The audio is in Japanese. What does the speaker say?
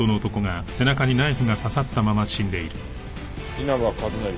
稲葉和成。